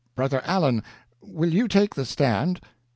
Brother Allen, will you take the stand?"